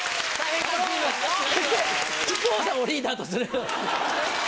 そして、木久扇さんをリーダーとする。